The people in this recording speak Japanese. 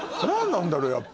何なんだろう